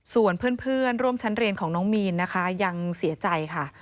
ส่วนเพื่อนร่วมชั้นเรียนของน้องมีนนะคะยังเสียใจค่ะ